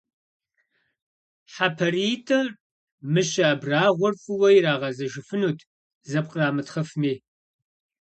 ХьэпариитӀым мыщэ абрагъуэр фӀыуэ ирагъэзэшыфынут, зэпкърамытхъыфми.